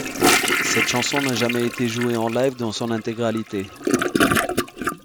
Cette chanson n'a jamais été jouée en live dans son intégralité.